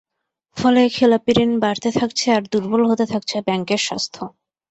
ফলে খেলাপি ঋণ বাড়তে থাকছে আর দুর্বল হতে থাকছে ব্যাংকের স্বাস্থ্য।